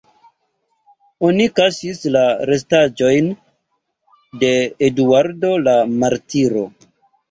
Oni kaŝis la restaĵojn de Eduardo la martiro.